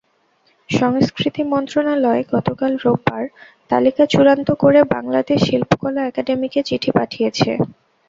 সংস্কৃতি মন্ত্রণালয় গতকাল রোববার তালিকা চূড়ান্ত করে বাংলাদেশ শিল্পকলা একাডেমীকে চিঠি পাঠিয়েছে।